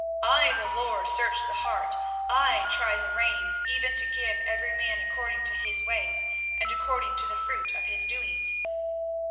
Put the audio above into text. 24:017:010 I the LORD search the heart, I try the reins, even to give every man according to his ways, and according to the fruit of his doings.